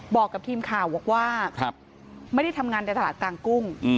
บอกกับทีมข่าวบอกว่าไม่ได้ทำงานในตลาดกลางกุ้ง